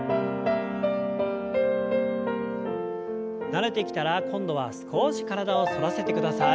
慣れてきたら今度は少し体を反らせてください。